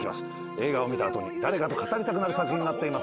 映画を見た後に誰かと語りたくなる作品になっています。